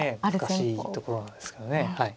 難しいところなんですけどね。